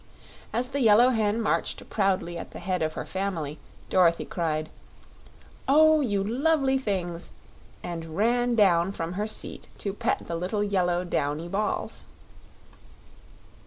As the Yellow Hen marched proudly at the head of her family, Dorothy cried, "Oh, you lovely things!" and ran down from her seat to pet the little yellow downy balls.